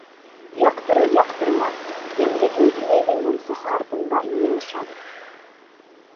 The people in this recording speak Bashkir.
Яҡтырыр-яҡтырмаҫ Йәмлегөл инәйҙең мунсаһы артында йыйылышабыҙ.